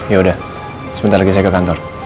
ya udah sebentar lagi saya ke kantor